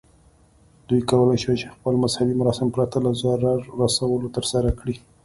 دوی کولی شي خپل مذهبي مراسم پرته له ضرر رسولو ترسره کړي.